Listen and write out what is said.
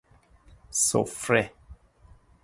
سفره